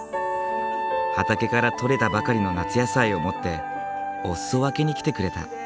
畑から取れたばかりの夏野菜を持ってお裾分けに来てくれた。